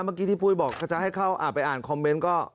เมื่อกี้ที่ปุ้ยบอกจะให้เข้าไปอ่านคอมเมนต์ก็